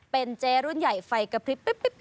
เป็นเจ๊รุ่นใหญ่ไฟกระพริบ